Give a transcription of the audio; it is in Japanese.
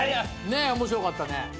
面白かったね。